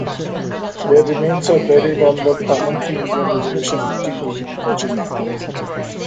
Their remains are buried on the Pamunkey Indian Reservation in King William, Virginia.